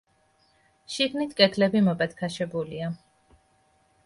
შიგნით კედლები მობათქაშებულია.